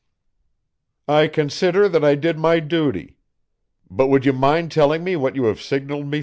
"I consider that I did my duty. But would you mind telling me what you have signaled me for?"